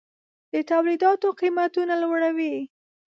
د تولیداتو قیمتونه لوړوي.